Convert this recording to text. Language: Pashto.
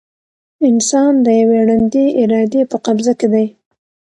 انسان د یوې ړندې ارادې په قبضه کې دی.